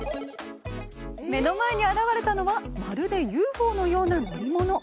目の前に現れたのは、まるでＵＦＯのような乗り物。